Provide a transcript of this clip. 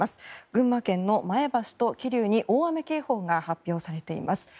群馬県の前橋と桐生に大雨警報が発表されています。